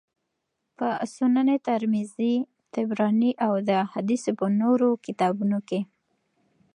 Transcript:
په سنن ترمذي، طبراني او د احاديثو په نورو کتابونو کي